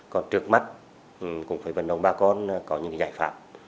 còn trước mắt cũng phải vận động bà con có những giải pháp